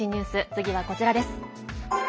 次は、こちらです。